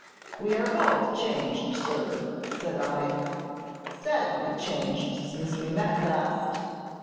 "We are both changed, sir," said I, "sadly changed since we met last.